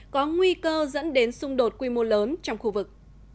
có nguy cơ dẫn đến xung đột quy mô lớn trong khu vực